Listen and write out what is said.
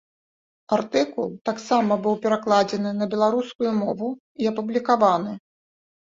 Артыкул таксама быў перакладзены на беларускую мову і апублікаваны.